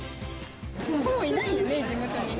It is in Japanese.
ほぼいないよね、地元にね。